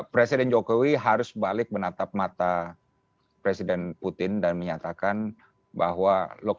presiden jokowi harus balik menatap mata presiden putin dan menyatakan bahwa